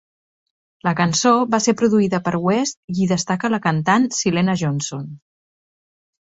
La cançó va ser produïda per West i hi destaca la cantant Syleena Johnson.